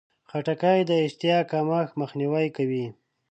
خټکی د اشتها کمښت مخنیوی کوي.